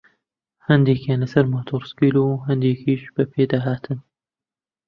هەندێکیان لەسەر مۆتۆرسکیل و هەندێکیش بەپێ دەهاتن